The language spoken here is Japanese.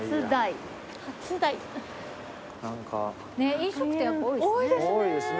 飲食店やっぱ多いですね。